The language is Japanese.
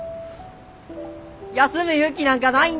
休む勇気なんかないんだ。